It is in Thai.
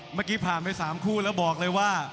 เมื่อกี้ผ่านไป๓คู่แล้วบอกเลยว่า